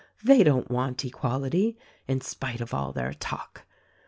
They don't want Equal ity, in spite of all their talk.